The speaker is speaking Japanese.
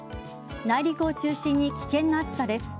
内陸を中心に危険な暑さです。